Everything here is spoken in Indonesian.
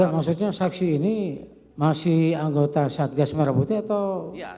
maksudnya saksi ini masih anggota satgas merah putih atau